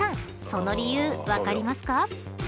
その理由分かりますか？］